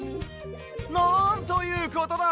なんということだ！